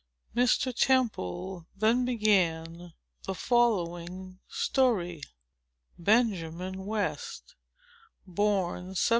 Mr. Temple then began the following story: BENJAMIN WEST BORN 1738.